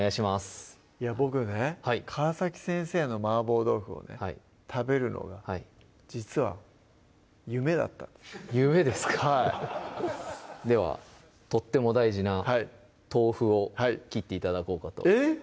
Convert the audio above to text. いや僕ね川先生の「麻婆豆腐」をね食べるのが実は夢だったんです夢ですかはいではとっても大事な豆腐を切って頂こうかとえっ？